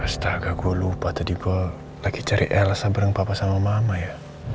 ya gak gue lupa tadi gue lagi cari elsa bareng papa sama mama ya